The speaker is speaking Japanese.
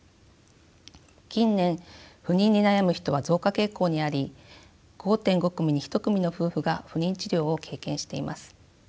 近年不妊に悩む人は増加傾向にあり５．５組に１組の夫婦が不妊治療を経験しています。